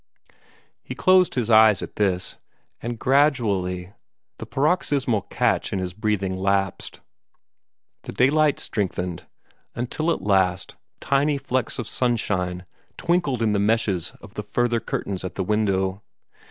He closed his eyes at this, and gradually the paroxysmal catch in his breathing lapsed. The daylight strengthened, until at last tiny flecks of sunshine twinkled in the meshes of the further curtains at the window.